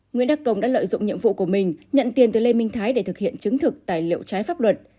nguyễn đắc công đã lợi dụng nhiệm vụ của mình nhận tiền từ lê minh thái để thực hiện chứng thực tài liệu trái pháp luật